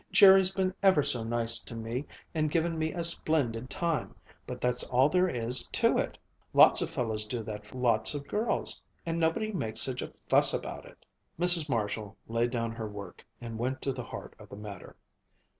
"Jerry's been ever so nice to me and given me a splendid time, but that's all there is to it. Lots of fellows do that for lots of girls, and nobody makes such a fuss about it." Mrs. Marshall laid down her work and went to the heart of the matter.